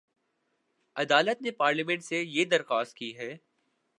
عدالت نے پارلیمنٹ سے یہ درخواست کی ہے